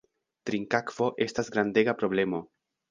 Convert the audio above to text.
Trinkakvo estas grandega problemo.